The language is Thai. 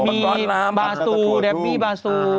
มีบาซูแดปบี้บาซู